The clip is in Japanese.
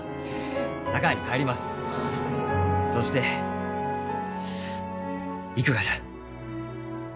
そして行くがじゃ。